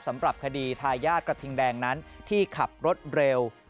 สำหรับคดีทายาทกระทิงแดงนั้นที่ขับรถเร็ว